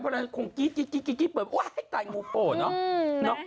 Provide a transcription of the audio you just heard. เพราะละคงกี้แบบว่าให้ตายงูโป่เนอะ